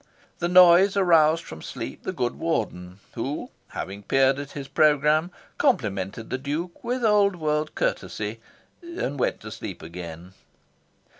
The noise aroused from sleep the good Warden, who, having peered at his programme, complimented the Duke with old world courtesy and went to sleep again.